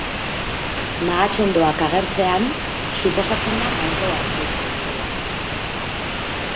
Mahatsondoak agertzean, suposatzen da ardoa ekoizten zela.